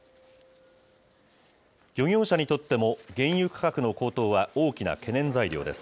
漁業者にとっても、原油価格の高騰は大きな懸念材料です。